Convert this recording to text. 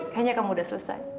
kayaknya kamu udah selesai